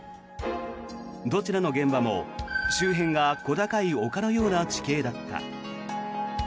どちらの現場も、周辺が小高い丘のような地形だった。